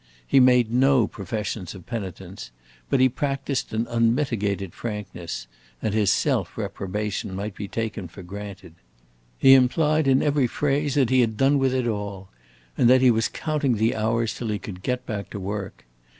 He made no professions of penitence, but he practiced an unmitigated frankness, and his self reprobation might be taken for granted. He implied in every phrase that he had done with it all, and that he was counting the hours till he could get back to work.